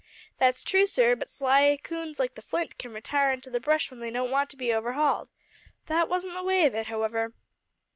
"That's true, sir, but sly coons like the Flint can retire into the brush when they don't want to be overhauled. That wasn't the way of it, however.